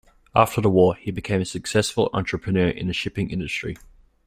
After the war he became a successful entrepreneur in the shipping industry.